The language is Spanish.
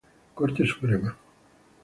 Corte Suprema.